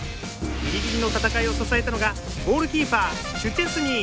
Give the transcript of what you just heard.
ぎりぎりの戦いを支えたのがゴールキーパー、シュチェスニー。